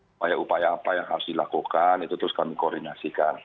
upaya upaya apa yang harus dilakukan itu terus kami koordinasikan